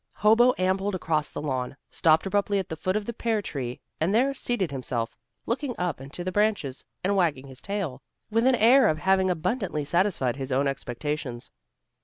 Hobo ambled across the lawn, stopped abruptly at the foot of the pear tree, and there seated himself, looking up into the branches, and wagging his tail, with an air of having abundantly satisfied his own expectations.